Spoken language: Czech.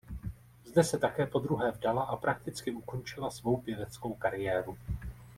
Zde se také podruhé vdala a prakticky ukončila svou pěveckou kariéru.